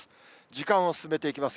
時間を進めていきます。